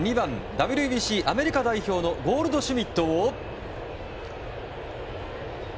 ＷＢＣアメリカ代表のゴールドシュミットを。